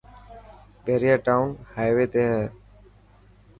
بهريا ٽاون هائوي تي هي.